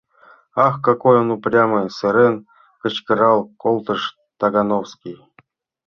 — Ах, какой он упрямый! — сырен, кычкырал колтыш Тагановский.